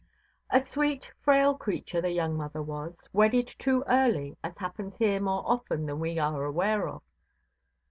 A sweet frail creature the young mother was, wedded too early, as happens here more often than we are aware of.